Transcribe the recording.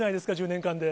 １０年間で。